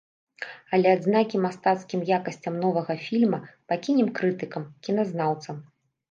Але адзнакі мастацкім якасцям новага фільма пакінем крытыкам-кіназнаўцам.